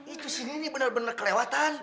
itu sini benar benar kelewat tal